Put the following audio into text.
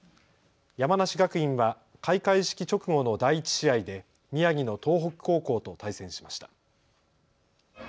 山梨学院は開会式直後の第１試合で宮城の東北高校と対戦しました。